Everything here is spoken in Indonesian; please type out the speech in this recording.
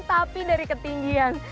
tapi dari ketinggian